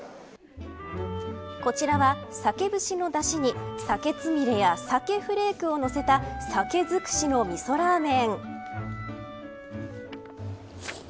こちらは、鮭ぶしのだしに鮭つみれや鮭フレークを載せた鮭尽くしの、みそラーメン。